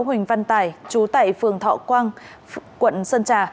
huỳnh văn tải chú tại phường thọ quang quận sơn trà